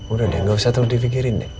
udah deh gak usah terus dipikirin